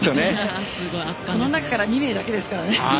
この中から２名だけですからね。